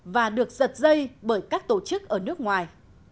và được giật dây bởi các tổ chức ở nước ngoài